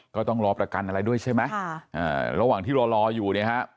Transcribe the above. ก็ต้องรอประกันอะไรด้วยใช่ไหมระหว่างที่รอรออยู่เนี่ยฮะ